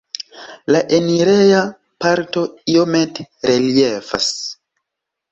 La enireja parto iomete reliefas.